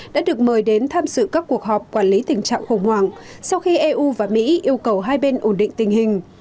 đã được mời đến tham sự các cuộc họp quản lý tình trạng khủng hoảng sau khi eu và mỹ yêu cầu hai bên ổn định tình hình